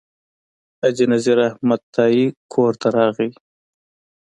حاجي نذیر احمد تائي کور ته راغی.